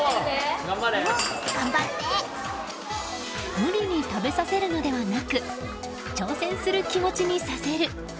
無理に食べさせるのではなく挑戦する気持ちにさせる。